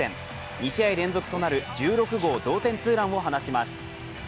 ２試合連続となる、１６号同点ツーランを放ちます